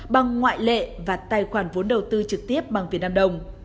bằng ngoại lệ và tài khoản vốn đầu tư trực tiếp bằng việt nam đồng